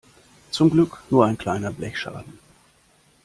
Zum Glück nur ein kleiner Blechschaden.